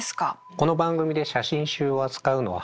この番組で写真集を扱うのは初めてですね。